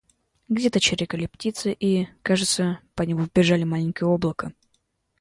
Где-то чирикали птицы и, кажется, по небу бежали маленькие облака.